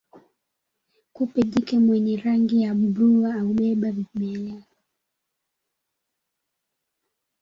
Kupe jike mwenye rangi ya bluu hubeba vimelea